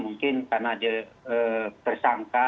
mungkin karena dia bersangka